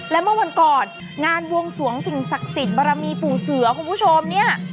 และเมื่อวันก่อนงานวงสวงสิ่งศักดิ์สิทธิ์บรมีปู่เสือคุณผู้ชมเนี่ย